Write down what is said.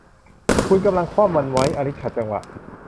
'คุณกำลังคว่ำมันไว้ !' อลิซขัดจังหวะ